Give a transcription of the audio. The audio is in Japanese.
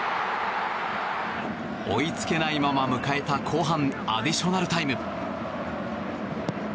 追いつけないまま迎えた後半アディショナルタイム。